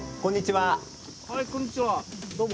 はいこんにちはどうも。